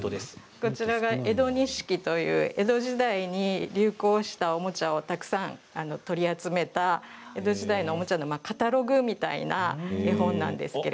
こちらは「江都二色」という江戸時代に流行したおもちゃを取り集めたおもちゃのカタログみたいな絵本なんです。